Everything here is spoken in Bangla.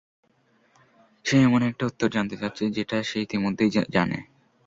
সে এমন একটা উত্তর জানতে চাচ্ছে যেটা সে ইতোমধ্যেই জানে।